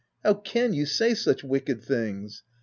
"How can you say such wicked things